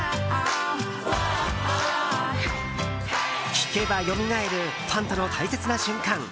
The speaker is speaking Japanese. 聴けばよみがえるファンとの大切な瞬間。